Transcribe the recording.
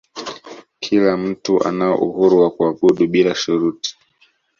kila mtu anao uhuru wa kuabudu bila shuruti